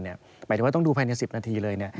หมายถึงว่าต้องดูภายใน๑๐นาทีเลย